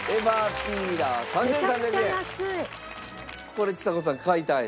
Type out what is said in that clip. これちさ子さん買いたい？